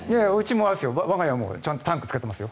我が家もちゃんとタンクをつけてますよ。